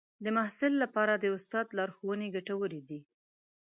د محصل لپاره د استاد لارښوونې ګټورې دي.